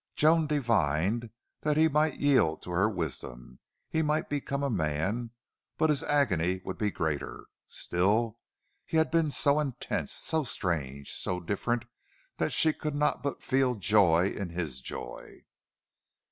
Joan divined that he might yield to her wisdom, he might become a man, but his agony would be greater. Still, he had been so intense, so strange, so different that she could not but feel joy in his joy.